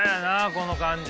この感じ。